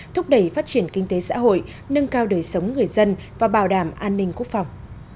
thúc đẩy phát triển kinh tế xã hội nâng cao đời sống người dân và bảo đảm an ninh quốc phòng